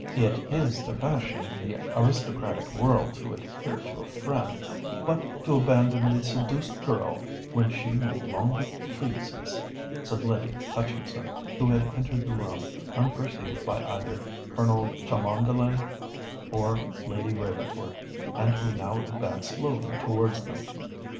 "_It is the fashion in the aristocratic world to adhere to a friend, but to abandon the seduced girl when she no longer pleases_," said Lydia Hutchinson, who had entered the room unperceived by either Colonel Cholmondeley or Lady Ravensworth, and who now advanced slowly towards them.